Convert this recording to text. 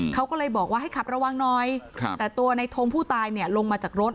เขาก็เลยบอกว่าให้ขับระวังหน่อยแต่ตัวในทงผู้ตายเนี่ยลงมาจากรถ